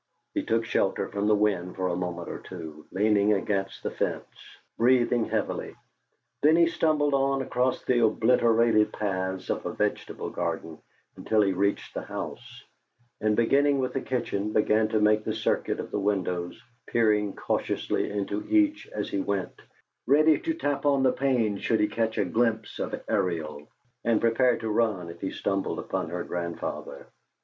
He took shelter from the wind for a moment or two, leaning against the fence, breathing heavily; then he stumbled on across the obliterated paths of a vegetable garden until he reached the house, and beginning with the kitchen, began to make the circuit of the windows, peering cautiously into each as he went, ready to tap on the pane should he catch a glimpse of Ariel, and prepared to run if he stumbled upon her grandfather.